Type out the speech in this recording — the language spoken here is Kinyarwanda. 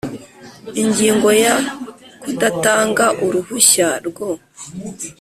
Ingingo ya kudatanga uruhushya rwo